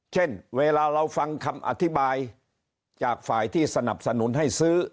เช่นเวลาเราฟังคำอธิบายจากฝ่ายที่สนับสนุนให้ซื้อ